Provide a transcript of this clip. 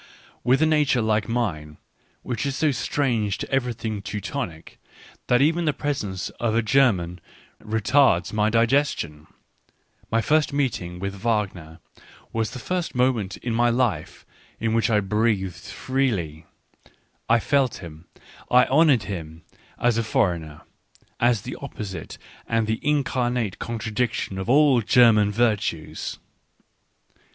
With a nature like mine, which is so strange to everything Teutonic, that even the presence of a German retards my digestion, my first meeting with Wagner was the first moment in my life in which I breathed freely : I felt him, I honoured him, as a foreigner, as the opposite and the incarnate con tradiction of all " German virtues."